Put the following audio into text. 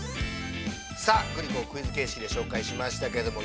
◆さあグリコをクイズ正式で紹介しましたけれども。